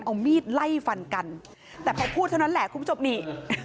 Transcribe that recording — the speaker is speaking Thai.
เอามีดไล่ฟันกันแต่พอพูดเท่านั้นแหละคุณผู้ชมนี่